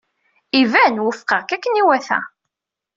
Iban, wufqeɣ-k akken iwata.